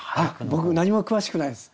僕何も詳しくないです。